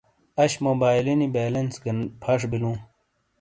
اش موبائیلینی بیلنس گہ پھش بِیلوں۔